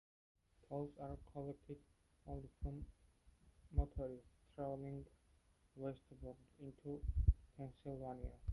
Tolls are collected only from motorists traveling westbound, into Pennsylvania.